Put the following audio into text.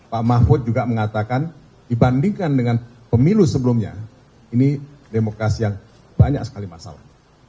pak mahfud juga mengatakan dibandingkan dengan pemilu sebelumnya ini demokrasi yang banyak sekali masalah